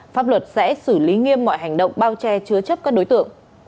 pháp luật sẽ xử lý nghiêm mọi hành động bao che chứa chấp các đối tượng